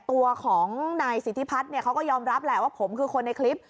ตัวของนายสิทธิพัฒน์เขาก็ยอมรับแหละว่าผมคือคนในคลิป